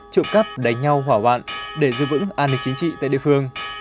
trộm cắp đánh nhau hỏa hoạn để giữ vững an ninh chính trị tại địa phương